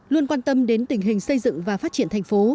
luôn quan tâm đến tình hình xây dựng và phát triển thành phố